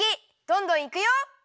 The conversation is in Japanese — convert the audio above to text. どんどんいくよ！